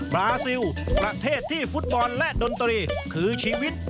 บราซิลประเทศที่ฟุตบอลและดนตรีคือชีวิต